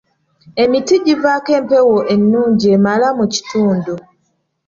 Emiti givaako empewo ennungi emala mu kitundu.